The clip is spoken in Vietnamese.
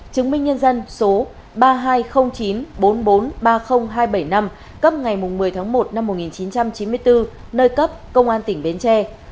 chứng minh nhân dân số ba hai không chín bốn bốn ba không hai bảy năm cấp ngày một mươi tháng một năm một nghìn chín trăm chín mươi bốn nơi cấp công an tp hcm